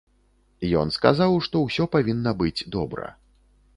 Ён сказаў, што ўсё павінна быць добра.